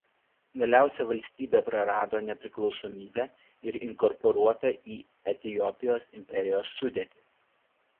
Galiausiai valstybė prarado nepriklausomybę ir inkorporuota į Etiopijos imperijos sudėtį.